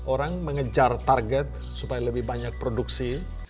orang mengejar target supaya lebih banyak produksi